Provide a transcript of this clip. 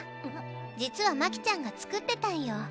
実は真姫ちゃんが作ってたんよ。